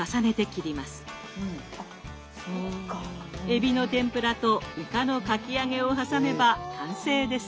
えびの天ぷらとイカのかき揚げを挟めば完成です。